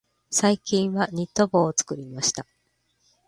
最近はニット帽を作りました。